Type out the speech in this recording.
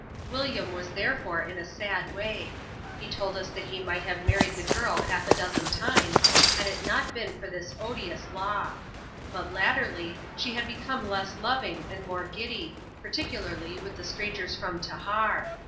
William was therefore in a sad way. He told us that he might have married the girl half a dozen times, had it not been for this odious law ; but, latterly, she had become less loving and more giddy, particularly with the strangers from Tahar.